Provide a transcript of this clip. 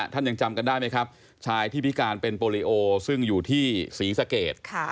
ท่านยังจำกันได้ไหมครับชายที่พิการเป็นโปรลิโอซึ่งอยู่ที่ศรีสะเกด